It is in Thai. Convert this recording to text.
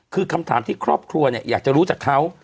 คือคำถามที่ครอบครัวอยากจะรู้จักเขา